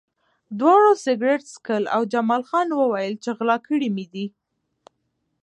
دواړو سګرټ څښل او جمال خان وویل چې غلا کړي مې دي